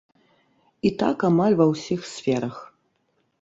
І так амаль ва ўсіх сферах.